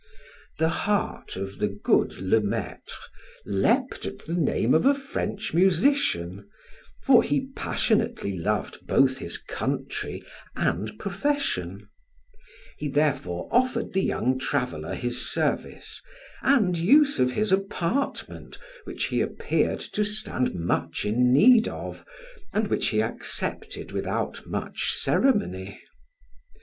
The hart of the good Le Maitre leaped at the name of a French musician, for he passionately loved both his country and profession; he therefore offered the young traveller his service and use of his apartment, which he appeared to stand much in need of, and which he accepted without much ceremony.